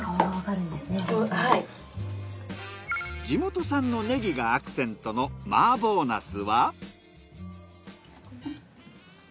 地元産のネギがアクセントのマーボーナスは。